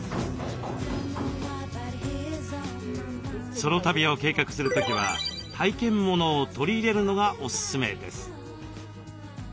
ソロ旅を計画する時は体験モノを取り入れるのがおすすめです。